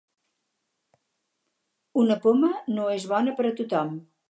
Una poma no és bona per a tothom.